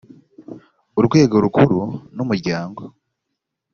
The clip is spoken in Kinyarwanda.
urwego rukuru numuryango .